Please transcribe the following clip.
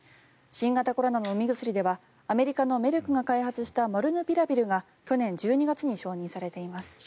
新型コロナの飲み薬ではアメリカのメルクが開発したモルヌピラビルが去年１２月に承認されています。